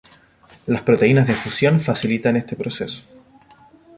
Las "proteínas de fusión" facilitan este proceso.